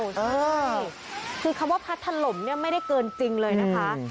ใช่คือคำว่าพัดถล่มเนี่ยไม่ได้เกินจริงเลยนะคะ